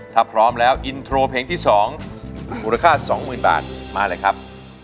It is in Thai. ถ้าพร้อมแล้วอินโทรเพลงที่๒มูลค่า๒๐๐๐บาทมาเลยครับ